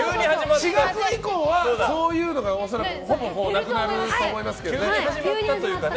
４月以降はそういうのが恐らくほぼなくなると思いますけどね。